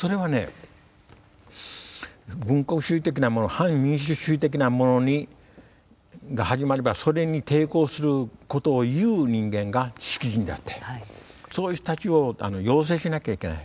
反民主主義的なものが始まればそれに抵抗することを言う人間が知識人であってそういう人たちを養成しなきゃいけない。